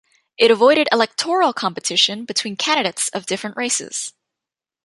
It avoided electoral competition between candidates of different races.